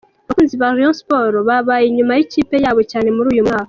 Abakunzi ba Rayon Sport babaye inyuma y’ikipe yabo cyane muri uyu mwaka.